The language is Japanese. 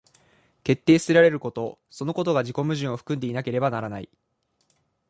決定せられることそのことが自己矛盾を含んでいなければならない。